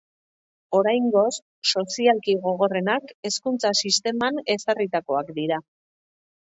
Oriangoz, sozialki gogorrenak hezkuntza sisteman ezarritakoak dira.